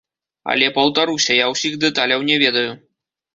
Але, паўтаруся, я ўсіх дэталяў не ведаю.